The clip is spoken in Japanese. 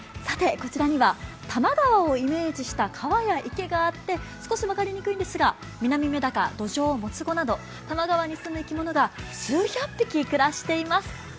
さて、こちらには多摩川をイメージした川や池があって少し分かりにくいんですが、ミナミメダカ、ドジョウ、モツゴなど多摩川に住む生き物が数百匹暮らしています。